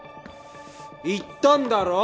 言ったんだろ？